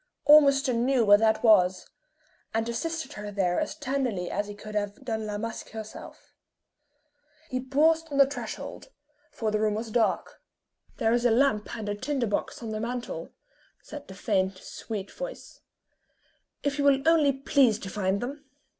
Ormiston knew where that was, and assisted her there as tenderly as he could have done La Masque herself. He paused on the threshold; for the room was dark. "There is a lamp and a tinder box on the mantel," said the faint, sweet voice, "if you will only please to find them."